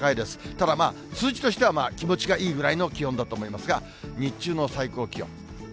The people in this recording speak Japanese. ただ数字としては、気持ちがいいぐらいの気温だと思いますが、日中の最高気温。